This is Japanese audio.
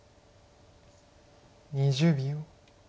２０秒。